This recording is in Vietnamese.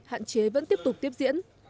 hạn chế vẫn tiếp tục tiếp diễn